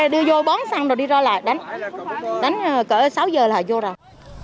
đưa vô bón xăng rồi đi ra lạc đánh cỡ sáu giờ là vô rồi